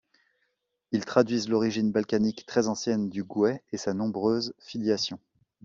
Ils traduisent l'origine balkanique très ancienne du gouais et sa nombreuse filiation.